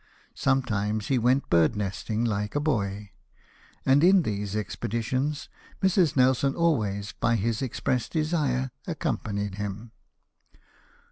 Sometimes he went bird nesting, l,ike a boy ; and in these expeditions Mrs. Nelson always, by his express desire, accompanied him.